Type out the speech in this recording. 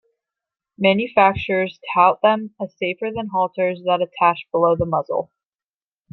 Manufacturers tout them as safer than halters that attach below the muzzle.